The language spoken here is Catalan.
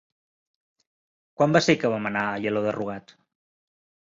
Quan va ser que vam anar a Aielo de Rugat?